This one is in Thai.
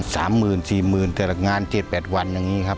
๓๐๐๐๐๔๐๐๐๐บาทแต่ละงาน๗๘วันอย่างนี้ครับ